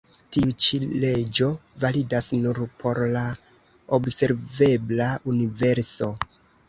Tiu-ĉi leĝo validas nur por la observebla universo.